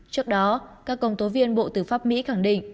trước đó các công tố viên bộ tư pháp mỹ khẳng định